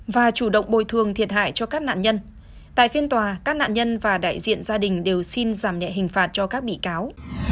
tại phiên tòa các nạn nhân và đại diện gia đình đều xin giảm nhẹ hình phạt cho các bị cáo